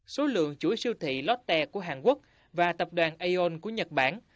siêu thị lotte của hàn quốc và tập đoàn aeon của nhật bản